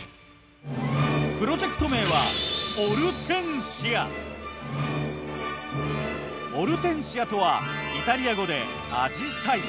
プロジェクト名はオルテンシアとはイタリア語で「あじさい」。